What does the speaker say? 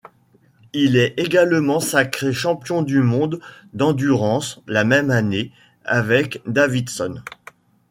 Il est également sacré champion du monde d'endurance la même année, avec Davidson.